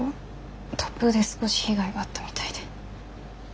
突風で少し被害があったみたいで。